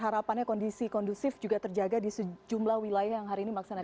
harapannya kondisi kondusif juga terjaga di sejumlah wilayah yang hari ini melaksanakan